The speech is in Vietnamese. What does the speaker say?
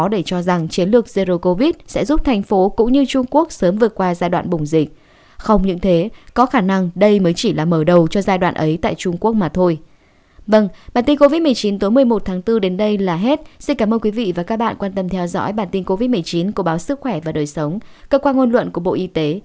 bằng bản tin covid một mươi chín tối một mươi một tháng bốn đến đây là hết xin cảm ơn quý vị và các bạn quan tâm theo dõi bản tin covid một mươi chín của báo sức khỏe và đời sống cơ quan ngôn luận của bộ y tế